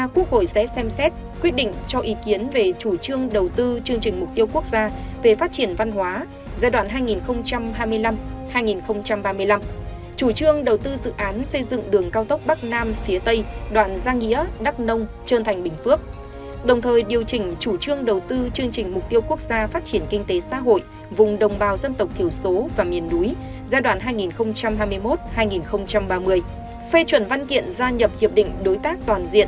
quốc hội sẽ xem xét quyết định cho ý kiến về chủ trương đầu tư chương trình mục tiêu quốc gia về phát triển văn hóa giai đoạn hai nghìn hai mươi năm hai nghìn ba mươi năm chủ trương đầu tư dự án xây dựng đường cao tốc bắc nam phía tây đoạn giang nghĩa đắc nông trơn thành bình phước đồng thời điều chỉnh chủ trương đầu tư chương trình mục tiêu quốc gia phát triển kinh tế xã hội vùng đồng bào dân tộc thiểu số và miền núi giai đoạn hai nghìn hai mươi một hai nghìn ba mươi phê chuẩn văn kiện gia nhập hiệp định đối tác toàn diện và tài chính